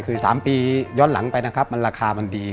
คือสามปีย้อนหลังไปราคามันดี